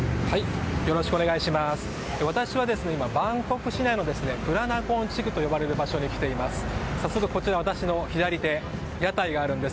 私は今、バンコク市内のプラナコン地区という場所に来ています。